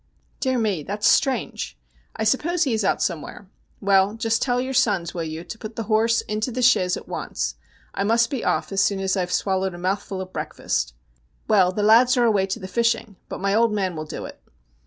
' Dear me, that's strange. I suppose he is outside some where. Well, just tell your sons, will you, to put the horse into the chaise at once. I must be off as soon as I've swallowed a mouthful of breakfast.' ' Well, the lads are away to the fishing, but my old man will do it.'